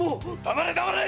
黙れ黙れ！